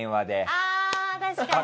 ああ確かに。